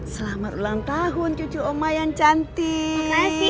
selamat ulang tahun cucu oma yang cantik